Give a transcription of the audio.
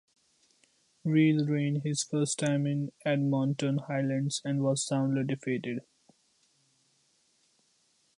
Reil ran his first time in Edmonton-Highlands and was soundly defeated.